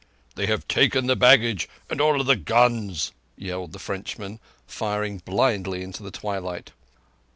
"They have taken the baggage and all the guns," yelled the Frenchman, firing blindly into the twilight.